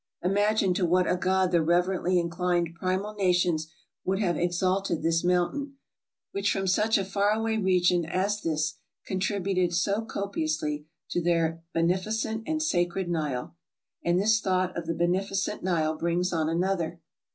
Imagine to what a god the reverently inclined primal nations would have exalted this mountain, which from such a far away region as this contributed so copi ously to their beneficent and sacred Nile. And this thought of the beneficent Nile brings on another.